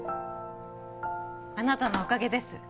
あなたのおかげです